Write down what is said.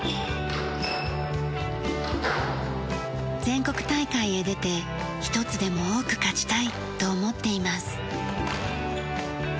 全国大会へ出て一つでも多く勝ちたいと思っています。